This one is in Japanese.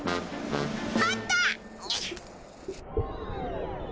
あった！